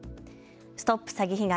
ＳＴＯＰ詐欺被害！